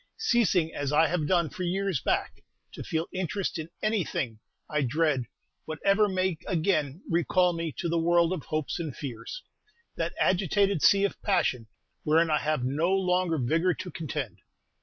Ceasing as I have done for years back to feel interest in anything, I dread whatever may again recall me to the world of hopes and fears, that agitated sea of passion wherein I have no longer vigor to contend.